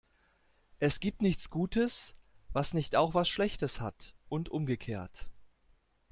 Es gibt nichts Gutes, was nicht auch was Schlechtes hat, und umgekehrt.